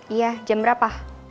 iya jam berapa